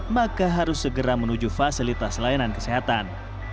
maka harus segera menuju fasilitas layanan kesehatan